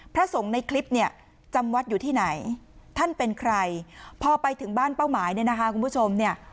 พระสงฆ์ในคลิปเนี่ยจำวัดอยู่ที่ไหนท่านเป็นใครพอไปถึงบ้านเป้าหมายเนี่ยนะคะคุณผู้ชมเนี่ย